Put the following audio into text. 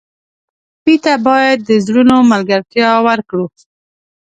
ټپي ته باید د زړونو ملګرتیا ورکړو.